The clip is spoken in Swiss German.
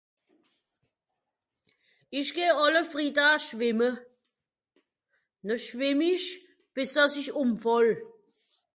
isch geh àlle frida schwìmme nò schwìmm isch bìs dass isch ùmfàll